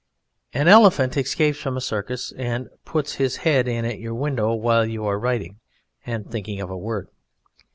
An elephant escapes from a circus and puts his head in at your window while you are writing and thinking of a word.